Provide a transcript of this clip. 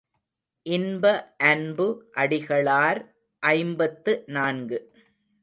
இன்ப அன்பு அடிகளார் ஐம்பத்து நான்கு.